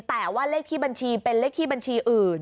แต่ว่าเลขที่บัญชีเป็นเลขที่บัญชีอื่น